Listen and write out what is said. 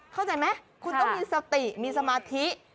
เข้าใจไหมคุณต้องมีสติมีสมาธิ